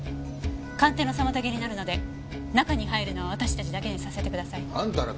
鑑定の妨げになるので中に入るのは私たちだけにさせてください。あんたら！